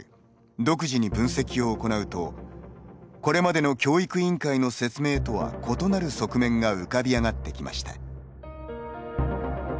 独自に分析を行うとこれまでの教育委員会の説明とは異なる側面が浮かび上がってきました。